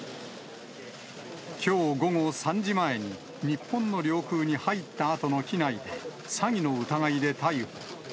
きょう午後３時前に、日本の領空に入ったあとの機内で、詐欺の疑いで逮捕。